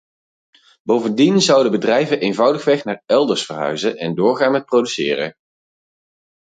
Bovendien zouden bedrijven eenvoudigweg naar elders verhuizen en doorgaan met produceren.